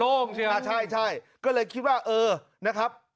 ใช่ไหมใช่ใช่ก็เลยคิดว่าเออนะครับ